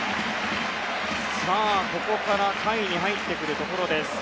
ここから下位に入ってくるところです。